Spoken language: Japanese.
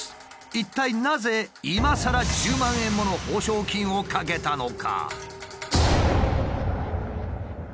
一体なぜいまさら１０万円もの報奨金をかけたのか？